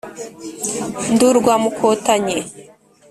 Ndi urwa Mukotanyi.